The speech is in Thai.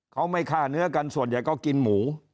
เขาไม่ฆ่าเนื้อกันส่วนใหญ่ก็กินหมู